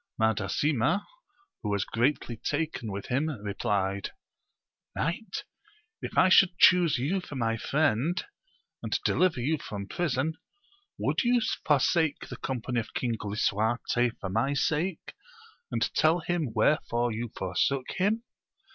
Mada sima, who was greatly taken with him, replied. Knight, if I should chuse you for my friend, and deliver you from prison, would you forsake the company of King Lisuarte for my sake, and tell him wherefore you for sook him